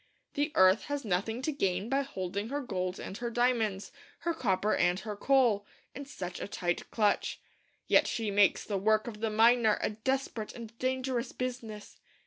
The earth has nothing to gain by holding her gold and her diamonds, her copper and her coal, in such a tight clutch. Yet she makes the work of the miner a desperate and dangerous business.